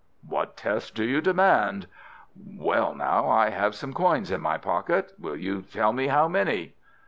"What test do you demand?" "Well, now—I have some coins in my pocket. Will you tell me how many?"